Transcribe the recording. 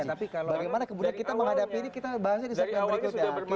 bagaimana kemudian kita menghadapi ini kita bahasnya di segmen berikutnya